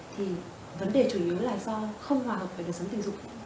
thì vấn đề chủ yếu là do không hòa hợp với đời sống tình dục